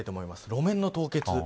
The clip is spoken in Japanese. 路面の凍結。